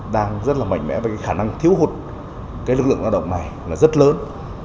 đang rất mạnh mẽ và khả năng thiếu hụt lực lượng lao động này rất lớn